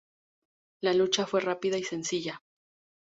La lucha fue rápida y sencilla.